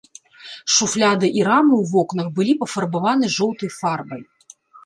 Шуфляды і рамы ў вокнах былі пафарбаваны жоўтай фарбай.